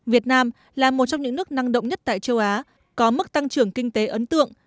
việt nam là một trong những nước năng động nhất tại châu á có mức tăng trưởng kinh tế ấn tượng